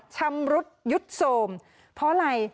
ชำรุดยุดโทรมเพราะอะไร